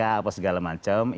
atau segala macam